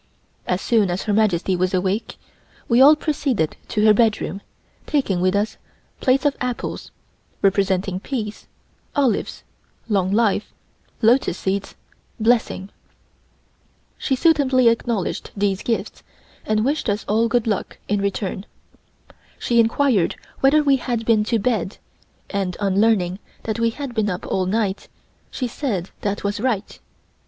As soon as Her Majesty was awake, we all proceeded to her bedroom, taking with us plates of apples (representing "Peace"), olives ("Long Life"), lotus seeds (Blessing). She suitably acknowledged these gifts and wished us all good luck in return. She inquired whether we had been to bed and, on learning that we had been up all night, she said that was right.